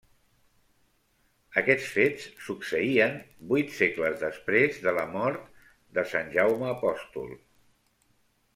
Aquests fets succeïen vuit segles després de la mort de Sant Jaume Apòstol.